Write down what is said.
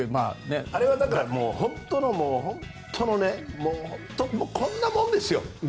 あれは本当こんなもんですよ。